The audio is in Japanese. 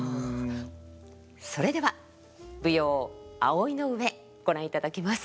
それでは舞踊「葵の上」ご覧いただきます。